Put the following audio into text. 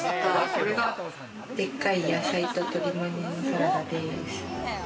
これがでっかい野菜と、鶏むね肉のサラダです。